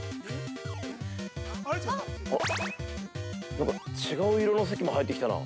なんか違う色の関も入ってきたな。